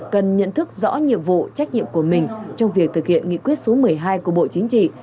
cần nhận thức rõ nhiệm vụ trách nhiệm của mình trong việc thực hiện nghị quyết số một mươi hai của bộ chính trị